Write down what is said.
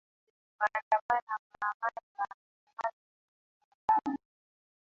wanaandamana kwa amani maandamano ni makubwa ambayo yame